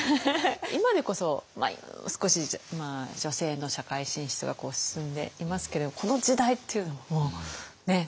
今でこそ少し女性の社会進出が進んでいますけれどこの時代っていうのはもうものすごい。